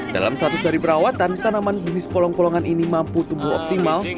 dalam satu sehari perawatan tanaman jenis kolong kolongan ini mampu tumbuh optimal